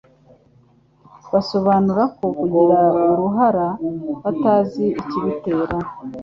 basobanura ko kugira uruhara batazi ikibitera